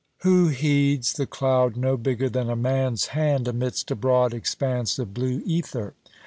Who heeds the cloud no bigger than a man's hand amidst a broad expanse of blue ether?